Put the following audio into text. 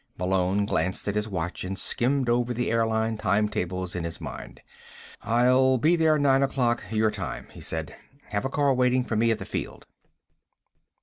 Malone glanced at his watch and skimmed over the airline timetables in his mind. "I'll be there nine o'clock, your time," he said. "Have a car waiting for me at the field."